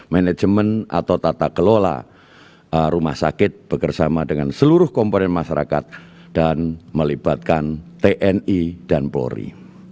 manajemen atau tata kelola rumah sakit bekerjasama dengan seluruh komponen masyarakat dan melibatkan tni dan polri